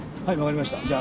はいわかりました。